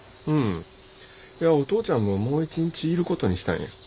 いやお父ちゃんももう一日いることにしたんや。